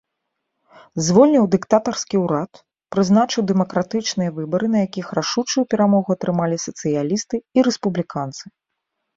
Звольніў дыктатарскі ўрад, прызначыў дэмакратычныя выбары, на якіх рашучую перамогу атрымалі сацыялісты і рэспубліканцы.